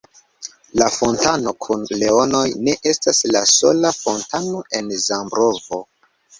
La fontano kun leonoj ne estas la sola fontano en Zambrovo.